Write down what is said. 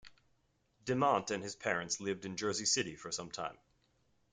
Dimant and his parents lived in Jersey City for some time.